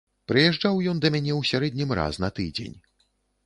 Прыязджаў ён да мяне ў сярэднім раз на тыдзень.